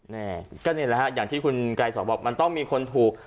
นี่ก็นี่แหละฮะอย่างที่คุณไกรสอนบอกมันต้องมีคนถูก